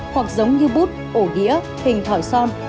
hoặc giống như bút ổ đĩa hình thỏi son